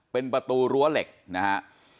เป็นประตูรั้วเหล็กนะฮะ